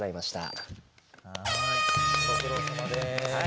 はいご苦労さまです。